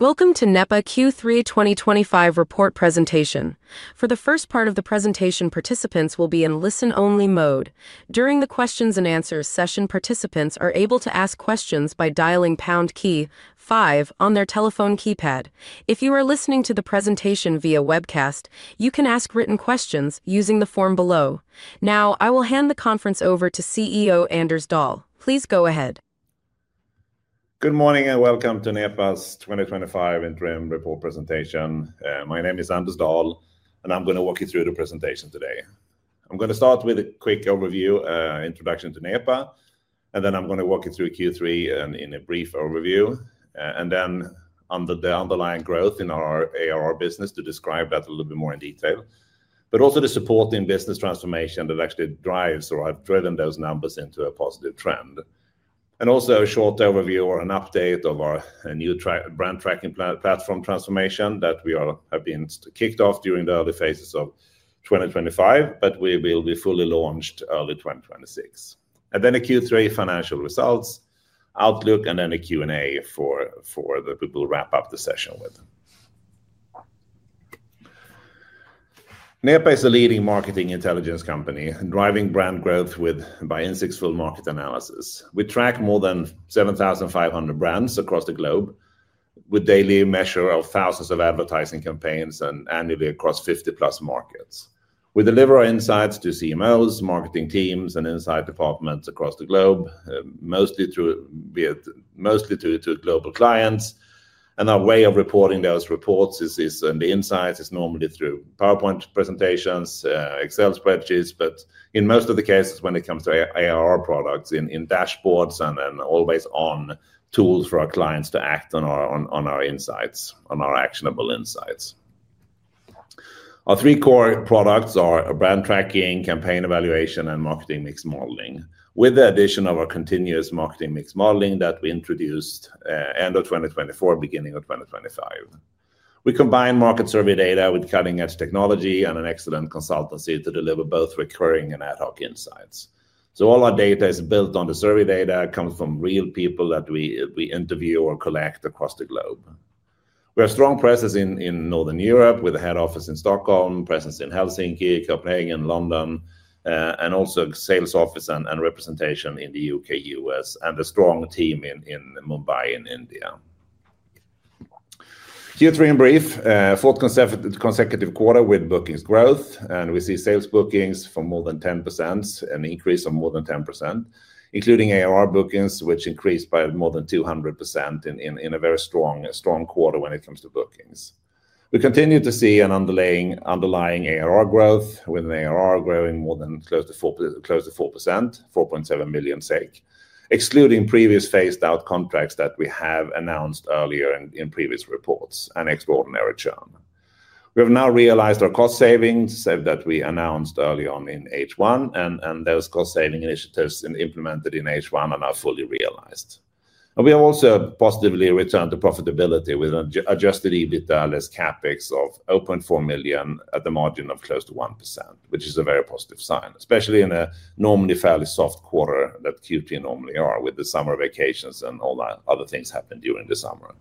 Welcome to NEPA Q3 2025 Report Presentation. For the first part of the presentation, participants will be in listen-only mode. During the questions-and-answers session, participants are able to ask questions by dialing pound key five on their telephone keypad. If you are listening to the presentation via webcast, you can ask written questions using the form below. Now, I will hand the conference over to CEO Anders Dahl. Please go ahead. Good morning and welcome to NEPA's 2025 interim report presentation. My name is Anders Dahl, and I'm going to walk you through the presentation today. I'm going to start with a quick overview, an introduction to NEPA, and then I'm going to walk you through Q3 in a brief overview, and then under the underlying growth in our ARR business to describe that a little bit more in detail, but also the support in business transformation that actually drives, or have driven, those numbers into a positive trend. Also, a short overview or an update of our new brand tracking platform transformation that we have kicked off during the early phases of 2025, but we will be fully launched early 2026. The Q3 financial results, outlook, and then a Q&A for the people who will wrap up the session with. NEPA is a leading marketing intelligence company, driving brand growth by insightful market analysis. We track more than 7,500 brands across the globe with a daily measure of thousands of advertising campaigns and annually across 50+ markets. We deliver our insights to CMOs, marketing teams, and insight departments across the globe, mostly through global clients. Our way of reporting those insights is normally through PowerPoint presentations, Excel spreadsheets, but in most of the cases when it comes to ARR products, in dashboards and then always-on tools for our clients to act on our actionable insights. Our three core products are brand tracking, campaign evaluation, and marketing mix modeling, with the addition of our continuous marketing mix modeling that we introduced end of 2024, beginning of 2025. We combine market survey data with cutting-edge technology and excellent consultancy to deliver both recurring and ad hoc insights. All our data is built on the survey data, comes from real people that we interview or collect across the globe. We have a strong presence in Northern Europe with a head office in Stockholm, presence in Helsinki, Copenhagen, London, and also a sales office and representation in the UK, US, and a strong team in Mumbai and India. Q3 in brief, fourth consecutive quarter with bookings growth, and we see sales bookings for more than 10%, an increase of more than 10%, including ARR bookings, which increased by more than 200% in a very strong quarter when it comes to bookings. We continue to see an underlying ARR growth, with an ARR growing more than close to 4%, 4.7 million, excluding previous phased out contracts that we have announced earlier in previous reports, and extraordinary churn. We have now realized our cost savings that we announced early on in H1, and those cost saving initiatives implemented in H1 are now fully realized. We have also positively returned to profitability with an adjusted EBITDA less CAPEX of 8.4 million at the margin of close to 1%, which is a very positive sign, especially in a normally fairly soft quarter that Q2 normally is, with the summer vacations and all the other things happening during the summer.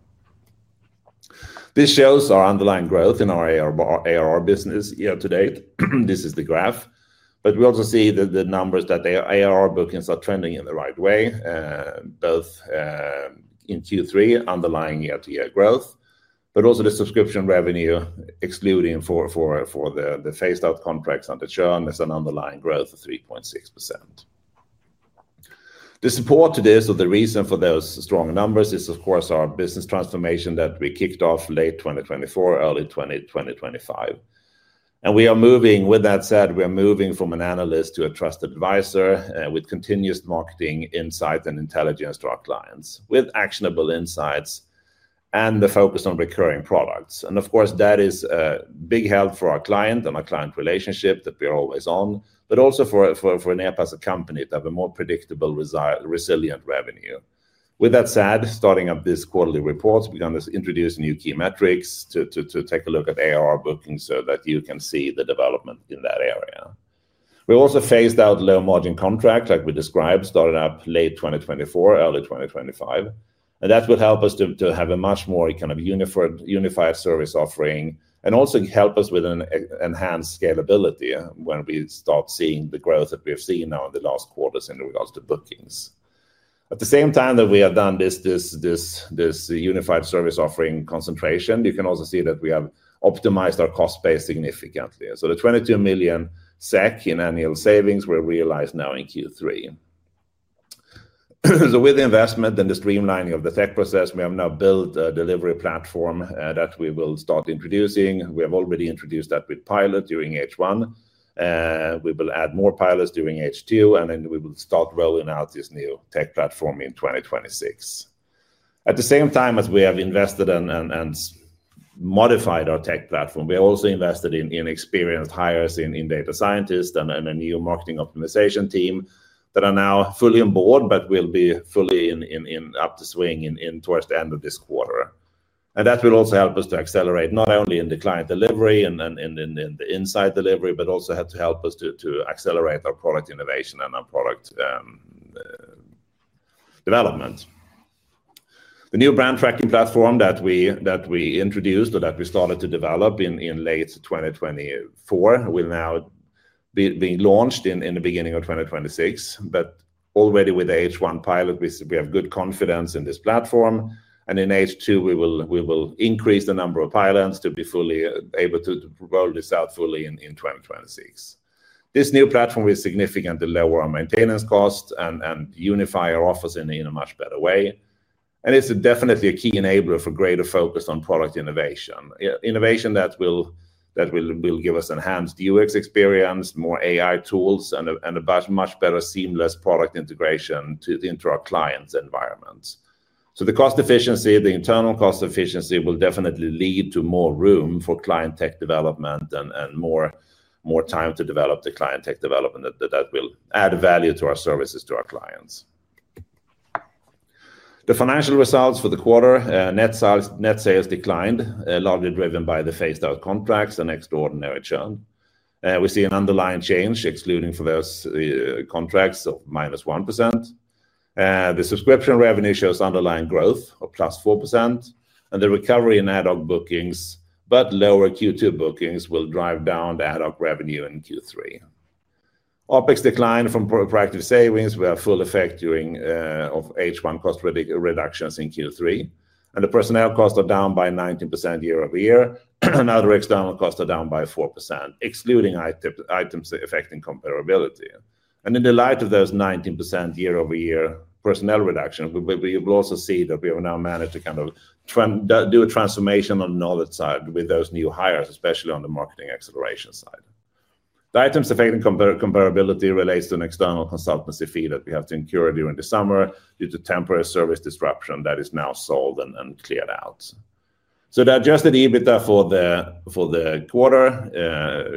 This shows our underlying growth in our ARR business year to date. This is the graph. We also see that the numbers that ARR bookings are trending in the right way, both in Q3, underlying year-to-year growth, and the subscription revenue, excluding for the phased out contracts and the churn, is an underlying growth of 3.6%. The support to this, or the reason for those strong numbers, is of course our business transformation that we kicked off late 2024, early 2025. We are moving, with that said, we are moving from an analyst to a trusted advisor with continuous marketing insights and intelligence to our clients, with actionable insights and the focus on recurring products. Of course, that is a big help for our client and our client relationship that we are always on, but also for NEPA as a company to have a more predictable, resilient revenue. With that said, starting up this quarterly report, we're going to introduce new key metrics to take a look at ARR bookings so that you can see the development in that area. We also phased out low margin contracts, like we described, started up late 2024, early 2025. That will help us to have a much more kind of unified service offering and also help us with enhanced scalability when we start seeing the growth that we've seen now in the last quarters in regards to bookings. At the same time that we have done this unified service offering concentration, you can also see that we have optimized our cost base significantly. The 22 million SEK in annual savings were realized now in Q3. With the investment and the streamlining of the tech process, we have now built a delivery platform that we will start introducing. We have already introduced that with pilot during H1. We will add more pilots during H2, and then we will start rolling out this new tech platform in 2026. At the same time as we have invested and modified our tech platform, we also invested in experienced hires in data scientists and a new marketing optimization team that are now fully on board, but will be fully up to swing towards the end of this quarter. That will also help us to accelerate not only in the client delivery and in the insight delivery, but also to help us to accelerate our product innovation and our product development. The new brand tracking platform that we introduced or that we started to develop in late 2024 will now be launched in the beginning of 2026. Already with the H1 pilot, we have good confidence in this platform. In H2, we will increase the number of pilots to be fully able to roll this out fully in 2026. This new platform will significantly lower our maintenance costs and unify our office in a much better way. It is definitely a key enabler for greater focus on product innovation. Innovation that will give us enhanced UX experience, more AI tools, and a much better seamless product integration into our clients' environments. The cost efficiency, the internal cost efficiency will definitely lead to more room for client tech development and more time to develop the client tech development that will add value to our services to our clients. The financial results for the quarter, net sales declined, largely driven by the phased out contracts and extraordinary churn. We see an underlying change, excluding for those contracts of minus 1%. The subscription revenue shows underlying growth of +4%. The recovery in ad hoc bookings, but lower Q2 bookings, will drive down the ad hoc revenue in Q3. OpEx declined from practical savings with a full effect during H1 cost reductions in Q3. The personnel costs are down by 19% year-over-year. Other external costs are down by 4%, excluding items affecting comparability. In the light of those 19% year over year personnel reduction, we will also see that we have now managed to kind of do a transformation on the knowledge side with those new hires, especially on the marketing acceleration side. The items affecting comparability relate to an external consultancy fee that we have to incur during the summer due to temporary service disruption that is now solved and cleared out. The adjusted EBITDA for the quarter,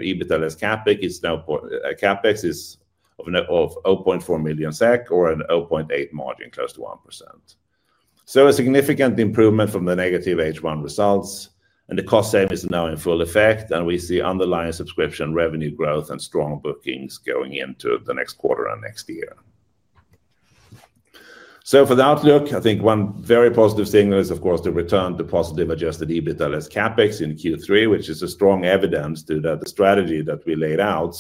EBITDA less CAPEX, is 0.4 million SEK or a 0.8% margin, close to 1%. This is a significant improvement from the negative H1 results. The cost savings are now in full effect. We see underlying subscription revenue growth and strong bookings going into the next quarter and next year. For the outlook, I think one very positive signal is, of course, the return to positive adjusted EBITDA less CAPEX in Q3, which is strong evidence that the strategy that we laid out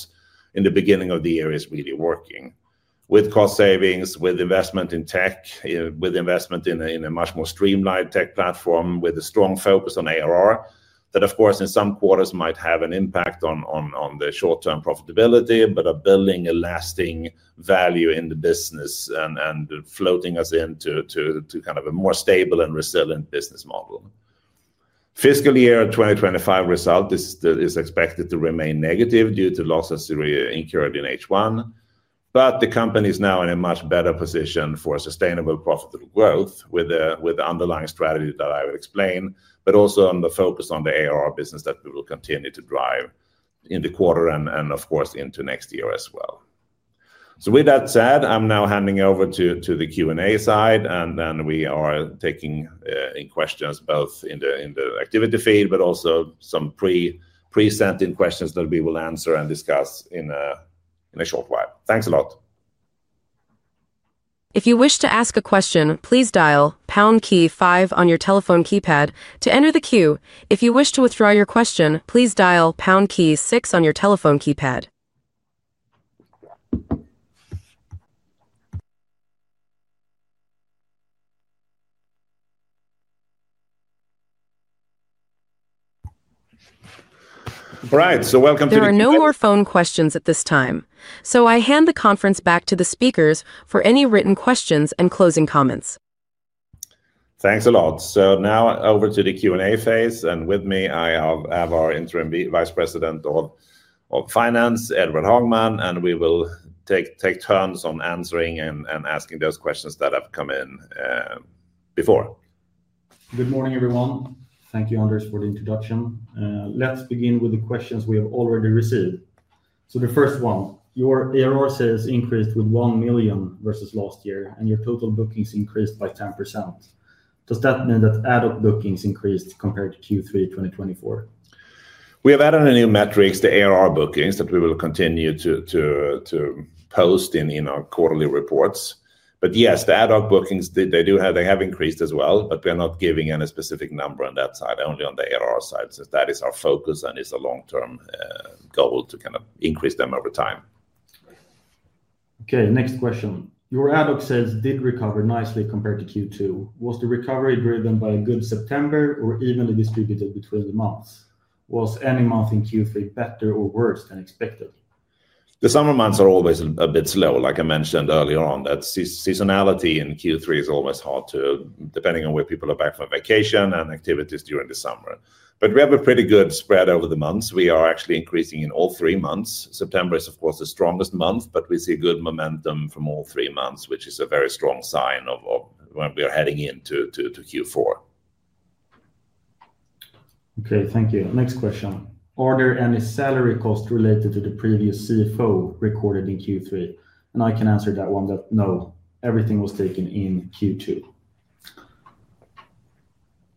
in the beginning of the year is really working. With cost savings, with investment in tech, with investment in a much more streamlined tech platform, with a strong focus on ARR that, of course, in some quarters might have an impact on the short-term profitability, but are building a lasting value in the business and floating us into a more stable and resilient business model. Fiscal year 2025 result is expected to remain negative due to losses incurred in H1. The company is now in a much better position for sustainable profitable growth with the underlying strategy that I've explained, but also on the focus on the ARR business that we will continue to drive in the quarter and, of course, into next year as well. With that said, I'm now handing over to the Q&A side, and then we are taking in questions both in the activity feed, but also some pre-sent in questions that we will answer and discuss in a short while. Thanks a lot. If you wish to ask a question, please dial pound key five on your telephone keypad to enter the queue. If you wish to withdraw your question, please dial pound key six on your telephone keypad. There are no more phone questions at this time. I hand the conference back to the speakers for any written questions and closing comments. Thanks a lot. Now over to the Q&A phase. With me, I have our Interim Vice President of Finance, Edward Hoangman, and we will take turns on answering and asking those questions that have come in before. Good morning, everyone. Thank you, Anders, for the introduction. Let's begin with the questions we have already received. The first one, your ARR sales increased with 1 million versus last year, and your total bookings increased by 10%. Does that mean that ad hoc bookings increased compared to Q3 2024? We have added a new metric to ARR bookings that we will continue to post in our quarterly reports. Yes, the ad hoc bookings, they have increased as well, but we are not giving any specific number on that side, only on the ARR side, since that is our focus and is a long-term goal to kind of increase them over time. OK, next question. Your ad hoc sales did recover nicely compared to Q2. Was the recovery driven by a good September or evenly distributed between the months? Was any month in Q3 better or worse than expected? The summer months are always a bit slow, like I mentioned earlier on, that seasonality in Q3 is always hard to, depending on where people are back from vacation and activities during the summer. We have a pretty good spread over the months. We are actually increasing in all three months. September is, of course, the strongest month. We see good momentum from all three months, which is a very strong sign of when we are heading into Q4. OK, thank you. Next question. Are there any salary costs related to the previous CFO recorded in Q3? I can answer that one that no, everything was taken in Q2.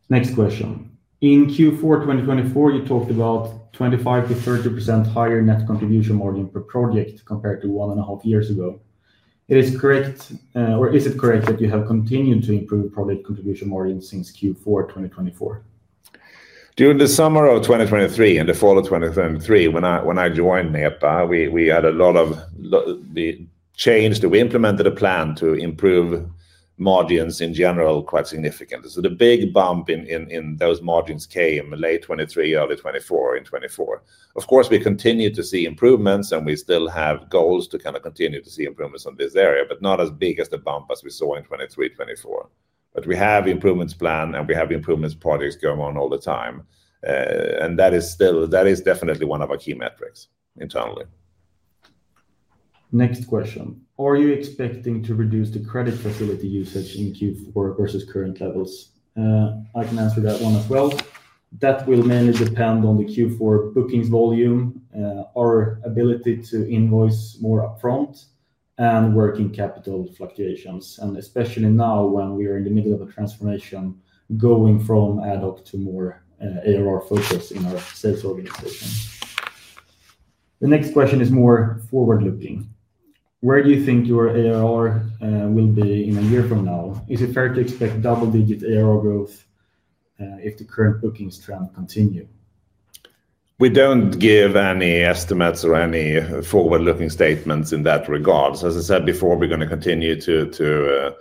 Next question. In Q4 2024, you talked about 25%-30% higher net contribution margin per project compared to one and a half years ago. Is it correct that you have continued to improve project contribution margins since Q4 2024? During the summer of 2023, in the fall of 2023, when I joined NEPA, we had a lot of changes. We implemented a plan to improve margins in general quite significantly. The big bump in those margins came in late 2023, early 2024. Of course, we continue to see improvements, and we still have goals to kind of continue to see improvements in this area, not as big as the bump as we saw in 2023, 2024. We have improvements planned, and we have improvements projects going on all the time. That is definitely one of our key metrics internally. Next question. Are you expecting to reduce the credit facility usage in Q4 versus current levels? I can answer that one as well. That will mainly depend on the Q4 bookings volume, our ability to invoice more upfront, and working capital fluctuations, especially now when we are in the middle of a transformation going from ad hoc to more ARR focus in our sales organization. The next question is more forward looking. Where do you think your ARR will be in a year from now? Is it fair to expect double-digit ARR growth if the current bookings trend continue? We don't give any estimates or any forward-looking statements in that regard. As I said before, we're going to continue to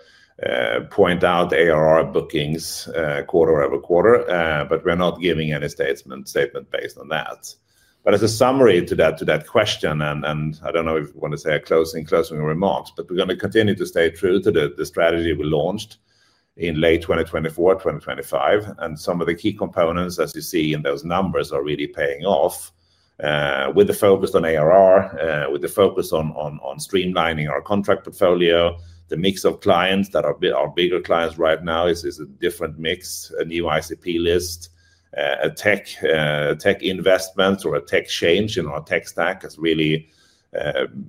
point out ARR bookings quarter over quarter, but we're not giving any statement based on that. As a summary to that question, we're going to continue to stay true to the strategy we launched in late 2024, 2025. Some of the key components, as you see in those numbers, are really paying off with the focus on ARR, with the focus on streamlining our contract portfolio. The mix of clients that are bigger clients right now is a different mix, a new ICP list, a tech investment, or a tech change in our tech stack has really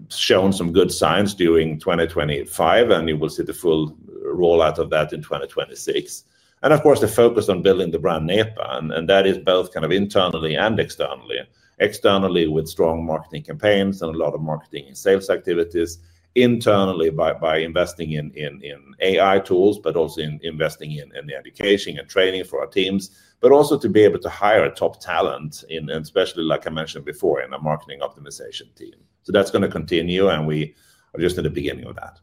shown some good signs during 2025. You will see the full rollout of that in 2026. Of course, the focus on building the brand NEPA, and that is both kind of internally and externally. Externally, with strong marketing campaigns and a lot of marketing and sales activities. Internally, by investing in AI tools, but also investing in education and training for our teams, but also to be able to hire top talent, especially, like I mentioned before, in a marketing optimization team. That's going to continue, and we are just at the beginning of that.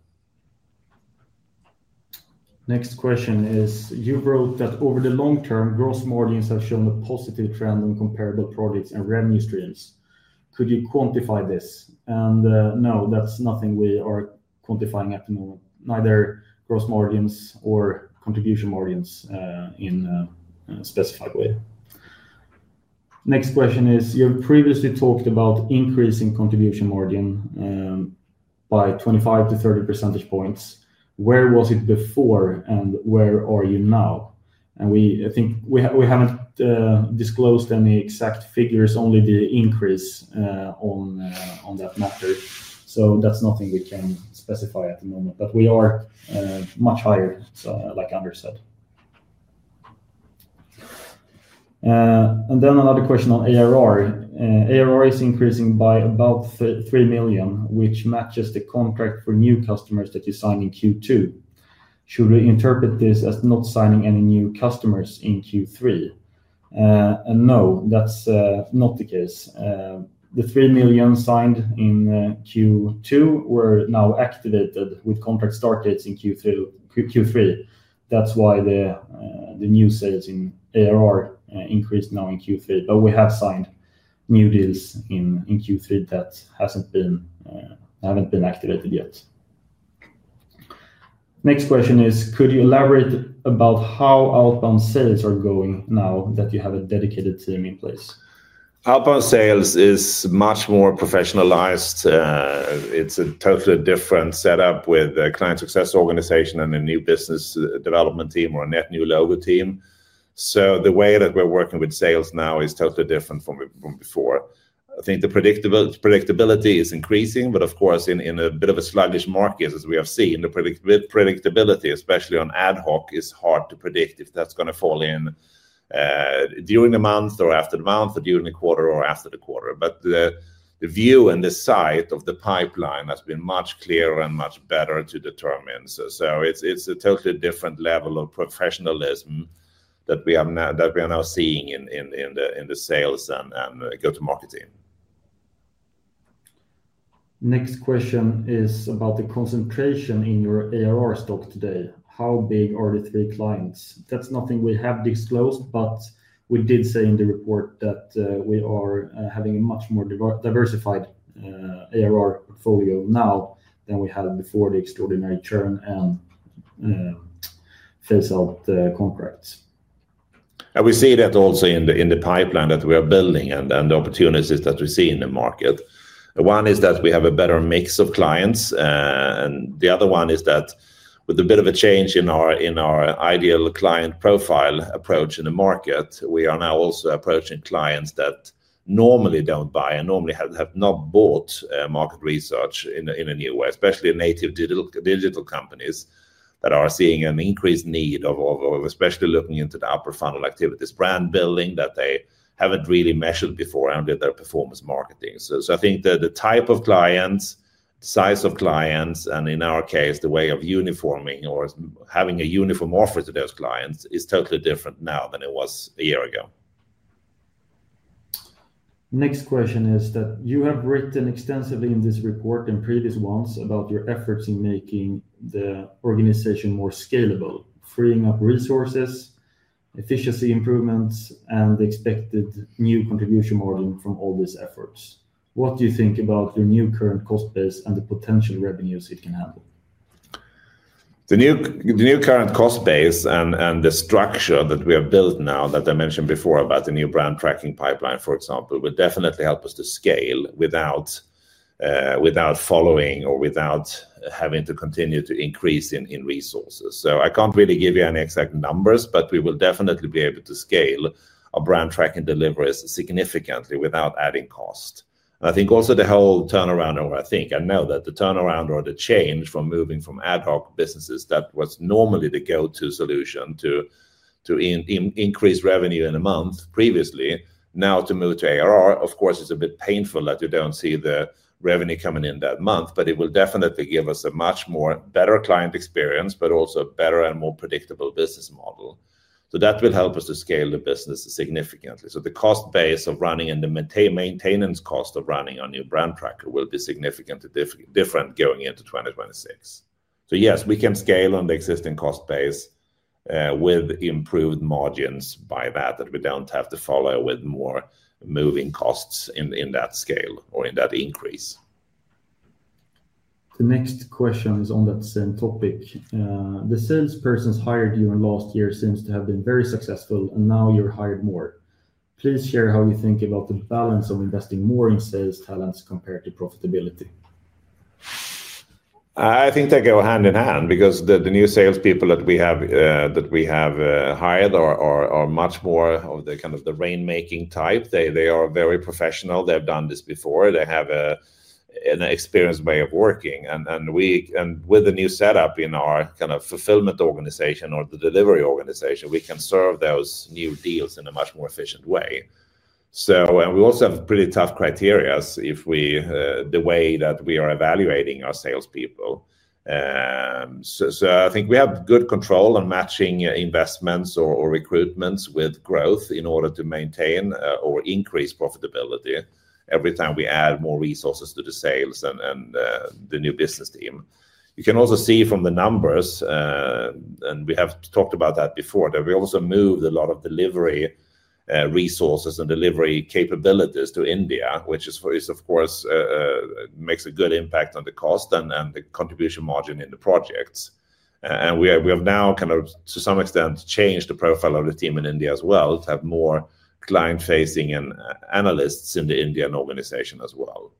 Next question is, you wrote that over the long term, gross margins have shown a positive trend in comparable projects and revenue streams. Could you quantify this? No, that's nothing we are quantifying at the moment, neither gross margins or contribution margins in a specified way. Next question is, you have previously talked about increasing contribution margin by 25%-30%. Where was it before, and where are you now? I think we haven't disclosed any exact figures, only the increase on that matter. That's nothing we can specify at the moment, but we are much higher, like Anders said. Another question on ARR. ARR is increasing by about 3 million, which matches the contract for new customers that you signed in Q2. Should we interpret this as not signing any new customers in Q3? No, that's not the case. The 3 million signed in Q2 were now activated with contract start dates in Q3. That's why the new sales in ARR increased now in Q3. We have signed new deals in Q3 that haven't been activated yet. Next question is, could you elaborate about how outbound sales are going now that you have a dedicated team in place? Outbound sales is much more professionalized. It's a totally different setup with a Client Success organization and a new business development team or a net new logo team. The way that we're working with sales now is totally different from before. I think the predictability is increasing, but of course, in a bit of a sluggish market, as we have seen, the predictability, especially on ad hoc, is hard to predict if that's going to fall in during the month or after the month or during the quarter or after the quarter. The view and the sight of the pipeline has been much clearer and much better to determine. It's a totally different level of professionalism that we are now seeing in the sales and go-to-market team. Next question is about the concentration in your ARR stock today. How big are the three clients? That's nothing we have disclosed, but we did say in the report that we are having a much more diversified ARR portfolio now than we had before the extraordinary churn and phase out contracts. We see that also in the pipeline that we are building and the opportunities that we see in the market. One is that we have a better mix of clients, and the other one is that with a bit of a change in our ideal client profile approach in the market, we are now also approaching clients that normally don't buy and normally have not bought market research in a new way, especially in native digital companies that are seeing an increased need of especially looking into the upper funnel activities, brand building that they haven't really measured before, and their performance marketing. I think the type of clients, the size of clients, and in our case, the way of uniforming or having a uniform offer to those clients is totally different now than it was a year ago. Next question is that you have written extensively in this report and previous ones about your efforts in making the organization more scalable, freeing up resources, efficiency improvements, and the expected new contribution modeling from all these efforts. What do you think about your new current cost base and the potential revenues it can handle? The new current cost base and the structure that we have built now that I mentioned before about the new brand tracking pipeline, for example, would definitely help us to scale without following or without having to continue to increase in resources. I can't really give you any exact numbers, but we will definitely be able to scale our brand tracking deliveries significantly without adding cost. I think also the whole turnaround, or I think, I know that the turnaround or the change from moving from ad hoc businesses that was normally the go-to solution to increase revenue in a month previously, now to move to ARR, of course, it's a bit painful that you don't see the revenue coming in that month, but it will definitely give us a much more better client experience, but also a better and more predictable business model. That will help us to scale the business significantly. The cost base of running and the maintenance cost of running our new brand tracker will be significantly different going into 2026. Yes, we can scale on the existing cost base with improved margins by that, that we don't have to follow with more moving costs in that scale or in that increase. The next question is on that same topic. The salesperson hired you in last year seems to have been very successful, and now you're hired more. Please share how you think about the balance of investing more in sales talents compared to profitability. I think they go hand in hand because the new salespeople that we have hired are much more of the kind of the rainmaking type. They are very professional. They've done this before. They have an experienced way of working. With the new setup in our kind of fulfillment organization or the delivery organization, we can serve those new deals in a much more efficient way. We also have pretty tough criteria the way that we are evaluating our salespeople. I think we have good control on matching investments or recruitments with growth in order to maintain or increase profitability every time we add more resources to the sales and the new business team. You can also see from the numbers, and we have talked about that before, that we also moved a lot of delivery resources and delivery capabilities to India, which of course makes a good impact on the cost and the contribution margin in the projects. We have now, to some extent, changed the profile of the team in India as well to have more client-facing analysts in the Indian organization as well.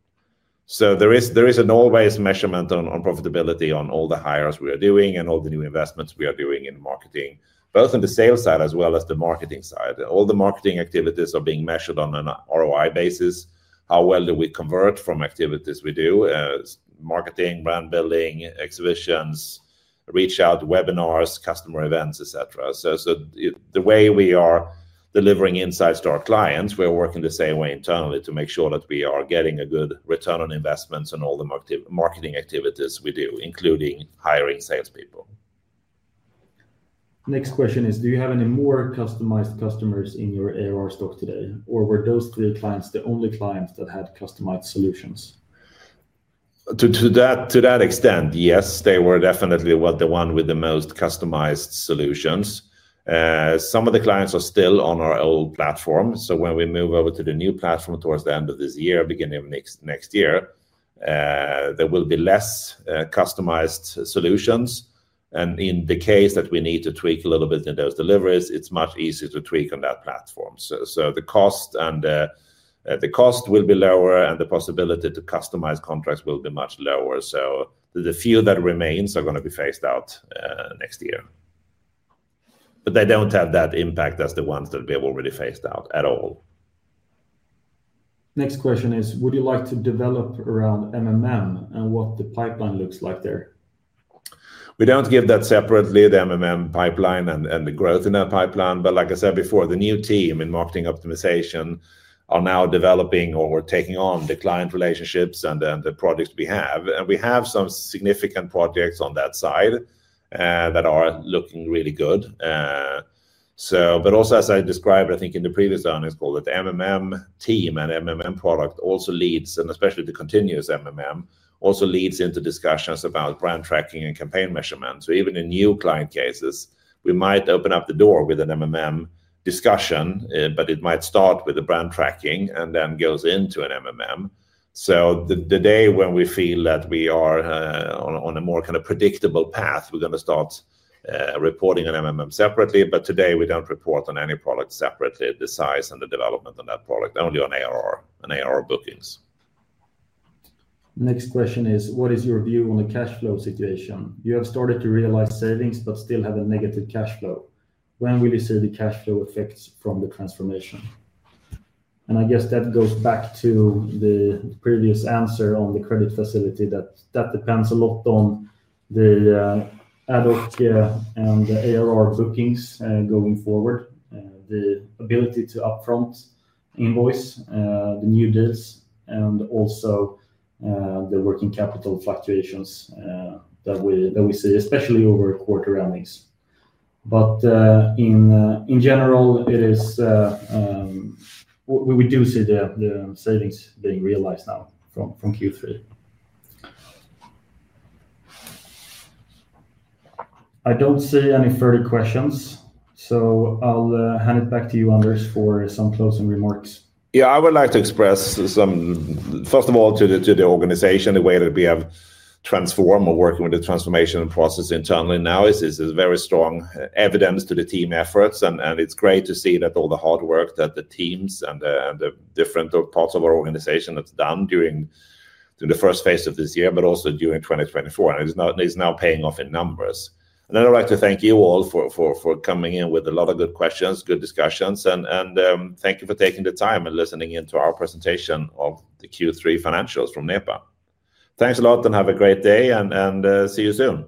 There is an always measurement on profitability on all the hires we are doing and all the new investments we are doing in marketing, both on the sales side as well as the marketing side. All the marketing activities are being measured on an ROI basis. How well do we convert from activities we do? Marketing, brand building, exhibitions, reach out, webinars, customer events, et cetera. The way we are delivering insights to our clients, we're working the same way internally to make sure that we are getting a good return on investments on all the marketing activities we do, including hiring salespeople. Next question is, do you have any more customized customers in your ARR stock today? Or were those three clients the only clients that had customized solutions? To that extent, yes, they were definitely the one with the most customized solutions. Some of the clients are still on our old platform. When we move over to the new platform towards the end of this year, beginning of next year, there will be less customized solutions. In the case that we need to tweak a little bit in those deliveries, it's much easier to tweak on that platform. The cost will be lower, and the possibility to customize contracts will be much lower. The few that remain are going to be phased out next year. They don't have that impact as the ones that we have already phased out at all. Next question is, would you like to develop around MMM and what the pipeline looks like there? We don't give that separately, the MMM pipeline and the growth in that pipeline. Like I said before, the new team in marketing optimization are now developing or taking on the client relationships and the projects we have. We have some significant projects on that side that are looking really good. As I described, I think in the previous earnings call, the team and product also leads, and especially the continuous MMM also leads into discussions about brand tracking and campaign evaluation. Even in new client cases, we might open up the door with MMM discussion, but it might start with the brand tracking and then goes into MMM. The day when we feel that we are on a more kind of predictable path, we're going to start reporting an MMM separately. Today, we don't report on any product separately, the size and the development on that product, only on ARR and ARR bookings. Next question is, what is your view on the cash flow situation? You have started to realize savings, but still have a negative cash flow. When will you see the cash flow effects from the transformation? I guess that goes back to the previous answer on the credit facility that depends a lot on the ad hoc and the ARR bookings going forward, the ability to upfront invoice the new deals, and also the working capital fluctuations that we see, especially over quarter endings. In general, we do see the savings being realized now from Q3. I don't see any further questions. I'll hand it back to you, Anders, for some closing remarks. I would like to express some, first of all, to the organization, the way that we have transformed or working with the transformation process internally now is very strong evidence to the team efforts. It's great to see that all the hard work that the teams and the different parts of our organization have done during the first phase of this year, but also during 2024. It is now paying off in numbers. I would like to thank you all for coming in with a lot of good questions, good discussions. Thank you for taking the time and listening in to our presentation of the Q3 financials from NEPA. Thanks a lot, and have a great day, and see you soon.